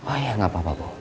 oh ya gapapa bu